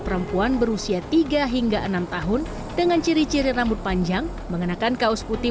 perempuan berusia tiga hingga enam tahun dengan ciri ciri rambut panjang mengenakan kaos putih